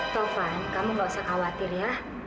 taufan kamu nggak usah khawatir ya